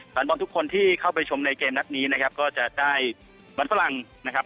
แฟนบอลทุกคนที่เข้าไปชมในเกมนัดนี้นะครับก็จะได้มันฝรั่งนะครับ